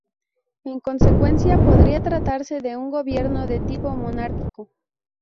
En consecuencia, podría tratarse de un gobierno de tipo monárquico.